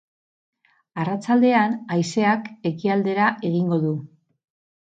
Arratsaldean haizeak ekialdera egingo du.